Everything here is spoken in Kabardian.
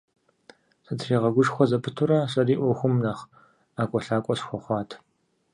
Сытригъэгушхуэ зэпытурэ, сэри Ӏуэхум нэхъ ӀэкӀуэлъакӀуэ сыхуэхъуат.